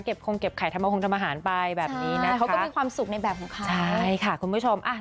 เก็บคงเก็บไข่ทำอาหารไปแบบนี้นะคะเขาก็มีความสุขในแบบของเขาใช่ค่ะคุณผู้ชม